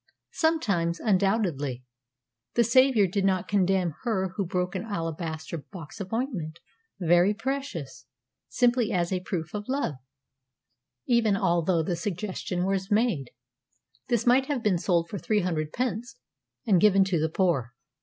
"Sometimes, undoubtedly. The Savior did not condemn her who broke an alabaster box of ointment very precious simply as a proof of love, even although the suggestion was made, 'This might have been sold for three hundred pence, and given to the poor.'